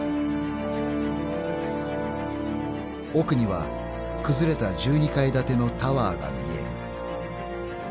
［奥には崩れた１２階建てのタワーが見える］